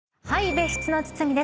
別室の堤です。